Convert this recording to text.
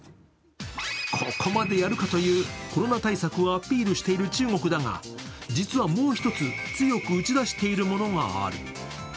ここまでやるかというコロナ対策をアピールしている中国だが、実はもう一つ、強く打ち出しているものがある。